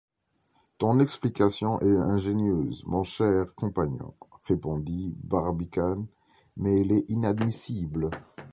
Ton explication est ingénieuse, mon cher compagnon, répondit Barbicane, mais elle est inadmissible.